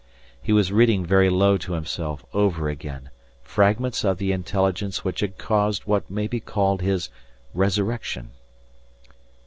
He was reading very low to himself over again fragments of the intelligence which had caused what may be called his resurrection.